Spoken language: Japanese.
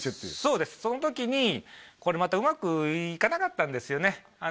そうですそのときにこれまたうまくいかなかったんですよね